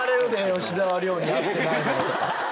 吉沢亮にあってないものとか。